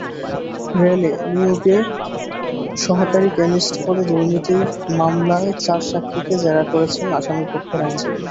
রেলে নিয়োগে সহকারী কেমিস্ট পদে দুর্নীতির মামলায় চার সাক্ষীকে জেরা করেছেন আসামিপক্ষের আইনজীবী।